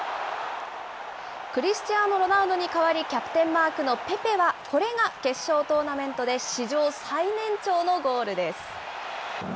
クリスチアーノ・ロナウドに代わりキャプテンマークのペペは、これが決勝トーナメントで史上最年長のゴールです。